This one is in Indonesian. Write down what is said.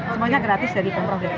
semuanya gratis dari pemroh dt cahabit